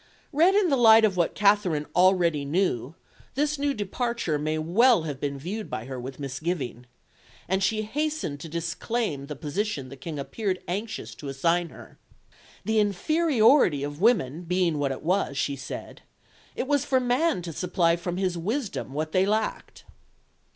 Read in the light of what Katherine already knew, this new departure may well have been viewed by her with misgiving; and she hastened to disclaim the position the King appeared anxious to assign her. The inferiority of women being what it was, she said, it was for man to supply from his wisdom what they lacked.